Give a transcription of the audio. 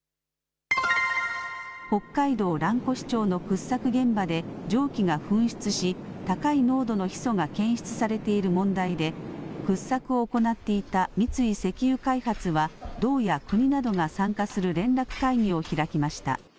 北海道蘭越町の掘削現場で蒸気が噴出し、高い濃度のヒ素が検出されている問題で、掘削を行っていた三井石油開発は、道や国などが参加する連絡会議を開きました。